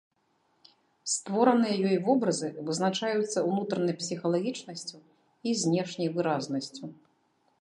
Створаныя ёй вобразы вызначаюцца ўнутранай псіхалагічнасцю і знешняй выразнасцю.